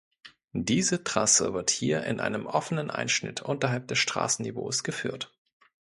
Diese Trasse wird hier in einem offenen Einschnitt unterhalb des Straßenniveaus geführt.